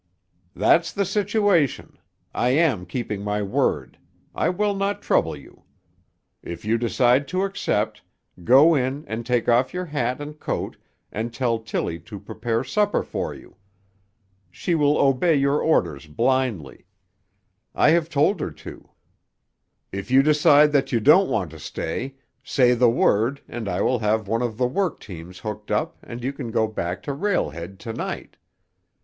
"That's the situation. I am keeping my word; I will not trouble you. If you decide to accept, go in and take off your hat and coat and tell Tilly to prepare supper for you. She will obey your orders blindly; I have told her to. If you decide that you don't want to stay, say the word and I will have one of the work teams hooked up and you can go back to Rail Head to night.